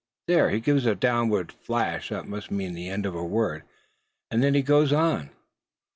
There, he gives it a downward flash that must mean the end of a word; and then he goes on."